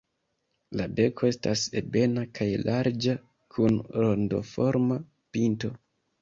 La beko estas ebena kaj larĝa, kun rondoforma pinto.